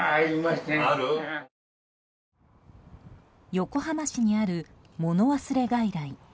横浜市にある、もの忘れ外来。